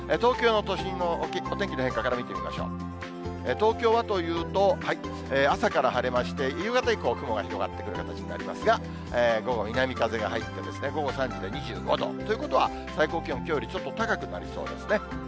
東京はというと、朝から晴れまして、夕方以降、雲が広がってくるような形になりますが、午後、南風が入って、午後３時で２５度、ということは、最高気温、きょうよりちょっと高くなりそうですね。